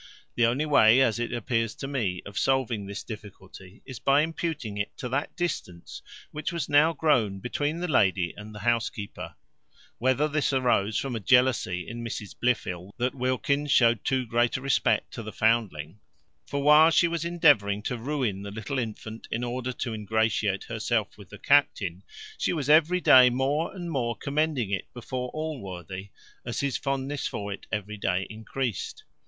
The only way, as it appears to me, of solving this difficulty, is, by imputing it to that distance which was now grown between the lady and the housekeeper: whether this arose from a jealousy in Mrs Blifil, that Wilkins showed too great a respect to the foundling; for while she was endeavouring to ruin the little infant, in order to ingratiate herself with the captain, she was every day more and more commending it before Allworthy, as his fondness for it every day increased.